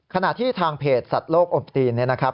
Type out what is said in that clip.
ขณะที่ทางเพจสัตว์โลกอบตีนเนี่ยนะครับ